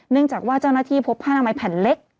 จากว่าเจ้าหน้าที่พบผ้านามัยแผ่นเล็ก